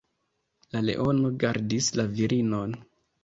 La leono gardis la virinon.